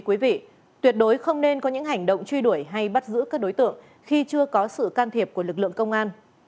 quý vị tuyệt đối không nên có những hành động truy đuổi hay bắt giữ các đối tượng khi chưa có sự can thiệp của lực lượng công an